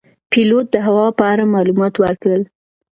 پیلوټ د هوا په اړه معلومات ورکړل.